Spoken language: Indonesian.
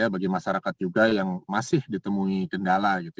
bagi masyarakat juga yang masih ditemui kendala gitu